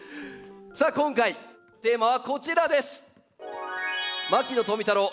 さあ今回テーマはこちらです！